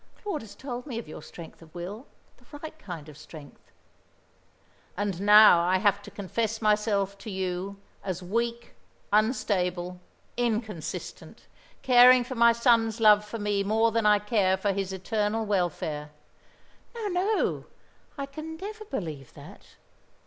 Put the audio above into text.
"Claude has told me of your strength of will the right kind of strength." "And now I have to confess myself to you, as weak, unstable, inconsistent; caring for my son's love for me more than I care for his eternal welfare." "No, no, I can never believe that."